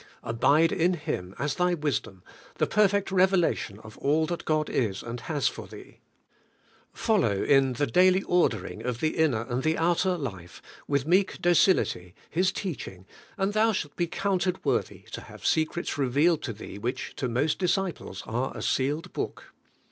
Abide in Him as thy wisdom, the perfect revelation of all that God is and has for thee. Follow, in the daily ordering of the inner and the outer life, with meek docility His teaching, and thou shalt be counted worthy to have secrets revealed to thee which to most disciples are a sealed book.